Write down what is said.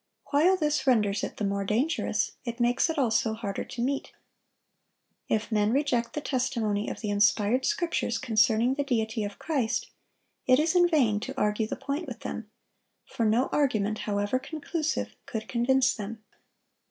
While this renders it the more dangerous, it makes it also harder to meet. If men reject the testimony of the inspired Scriptures concerning the deity of Christ, it is in vain to argue the point with them; for no argument, however conclusive, could convince them.